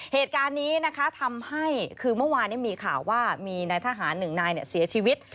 เหตุการณ์นี้นะคะทำให้คือเมื่อวานมีข่าวว่ามีนายทหารหนึ่งนายเสียชีวิต